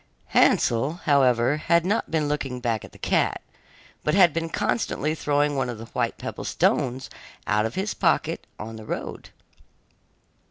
Hansel, however, had not been looking back at the cat, but had been constantly throwing one of the white pebble stones out of his pocket on the road.